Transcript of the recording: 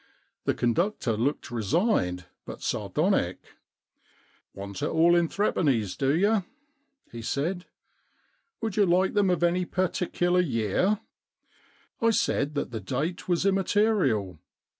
The conductor looked resigned but sardonic. ' Want it all in threepennies, do you ?' he said. " Would you like them of any par ticular year ?* I said that the date was immaterial.